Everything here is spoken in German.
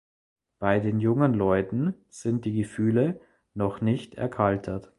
Bei beiden jungen Leuten sind die Gefühle noch nicht erkaltet.